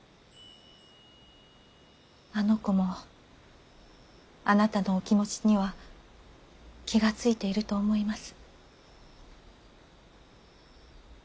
あの子もあなたのお気持ちには気が付いていると思います。